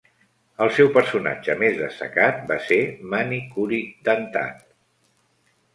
El seu personatge més destacat va ser Mani Curi Dentat.